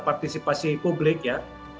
partisipasi publik ya